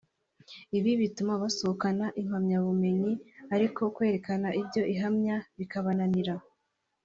ibi bituma basohokana impamyabumenyi ariko kwerekana ibyo ihamya bikabananira